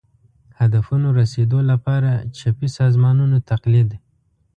هدفونو رسېدو لپاره چپي سازمانونو تقلید